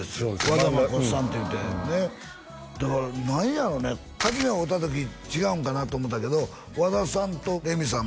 和田誠さんっていうてねっだから何やろうね初め会うた時違うんかなと思うたけど和田さんとレミさん